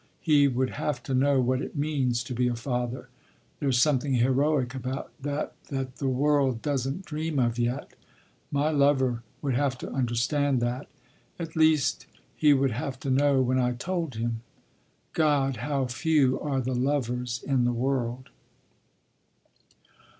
He would have to know what it means to be a father. There’s something heroic about that that the world doesn’t dream of yet. My lover would have to understand that. At least, he would have to know when I told him. God, how few are the lovers in the world."